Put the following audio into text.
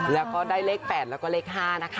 แล้วก็ได้เลข๘แล้วก็เลข๕นะคะ